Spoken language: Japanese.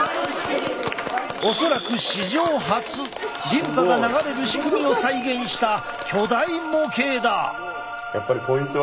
リンパが流れる仕組みを再現した巨大模型だ！